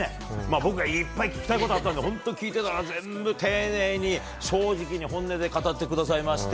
僕がいっぱい聞きたいことがあって本当に聞いていたら全部、丁寧に正直に本音で語ってくださって。